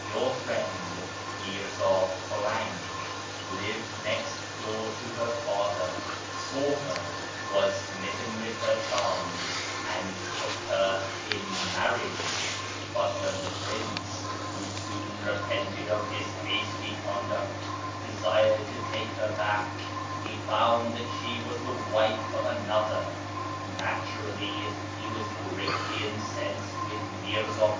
Your friend Mirza lived next door to her father, saw her, was smitten with her charms, and took her in marriage ; and when the prince (who soon repented of his hasty conduct) desired to take her back, he found that she was the wife of another. Naturally he was greatly incensed with Mirza